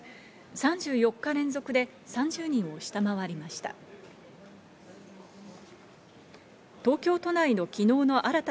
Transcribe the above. ３４日連続で３０人を下回りました。